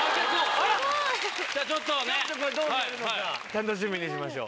楽しみにしましょう。